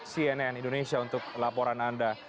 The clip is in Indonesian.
cnn indonesia untuk laporan anda